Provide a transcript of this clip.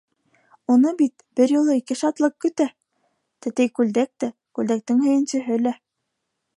Уны бит бер юлы ике шатлыҡ көтә: тәтәй күлдәк тә, күлдәктең һөйөнсөһө лә!